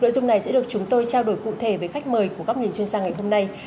nội dung này sẽ được chúng tôi trao đổi cụ thể với khách mời của góc nhìn chuyên gia ngày hôm nay